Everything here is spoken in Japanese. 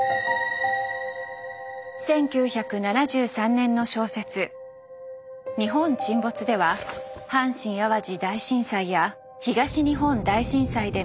１９７３年の小説「日本沈没」では阪神・淡路大震災や東日本大震災での危機を予見。